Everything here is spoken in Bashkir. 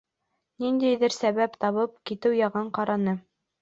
Ниндәйҙер сәбәп табып, китеү яғын ҡараны.